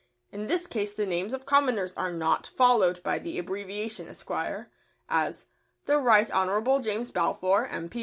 In this case the names of commoners are not followed by the abbreviation "Esq.," as: The Right Honourable James Balfour, M.